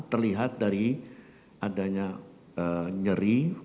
terlihat dari adanya nyeri